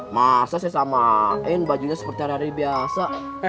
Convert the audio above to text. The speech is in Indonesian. masa saya samain bajunya seperti hari hari biasa